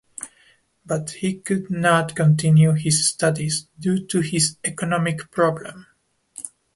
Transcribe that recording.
But he could not continue his studies due to his economic problem.